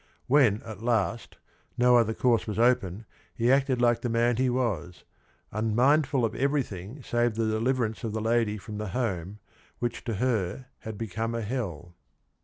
When, at last, no other course was open, he acted like the man he was, unmindful of everything save the deliverance of the lady from the home, which to her had become a hell.